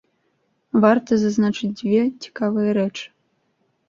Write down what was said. Варта зазначыць дзве цікавыя рэчы.